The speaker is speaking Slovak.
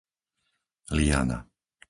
Liana